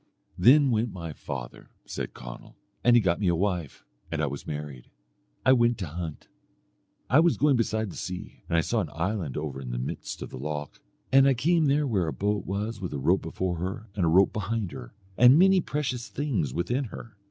"Then went my father," said Conall, "and he got me a wife, and I was married. I went to hunt. I was going beside the sea, and I saw an island over in the midst of the loch, and I came there where a boat was with a rope before her, and a rope behind her, and many precious things within her.